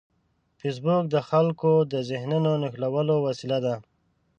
فېسبوک د خلکو د ذهنونو نښلولو وسیله ده